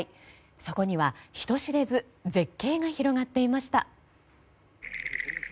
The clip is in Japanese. そこには、人知れず絶景が広がっていました。